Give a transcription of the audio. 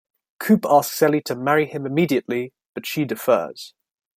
Coop asks Ellie to marry him immediately, but she defers.